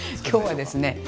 今日はですね